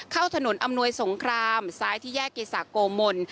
เข้าถนนอำนวยสงครามซ้ายที่แยกเกษะโกมล